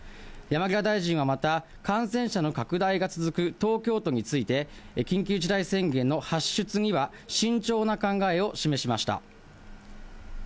山際大臣はまた、感染者の拡大が続く東京都について、緊急事態宣言の発出には慎重な考えを示しました。